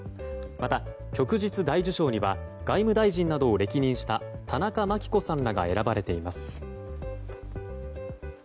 また、旭日大綬章には外務大臣などを歴任した田中眞紀子さんらが選ばれています。